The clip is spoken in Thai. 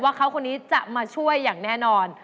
ว่าเขาคนนี้จะมาช่วยอย่างแน่นอน